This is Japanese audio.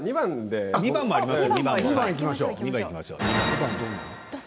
２番いきましょう。